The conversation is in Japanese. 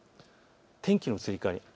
天気の移り変わりです。